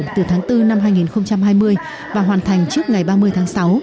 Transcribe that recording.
từ tháng bốn năm hai nghìn hai mươi và hoàn thành trước ngày ba mươi tháng sáu